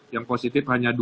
yang positif hanya dua